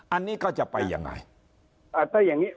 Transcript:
อันนี้ก็จะไปยังไง